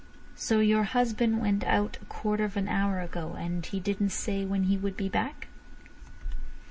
"So your husband went out a quarter of an hour ago! And he didn't say when he would be back?"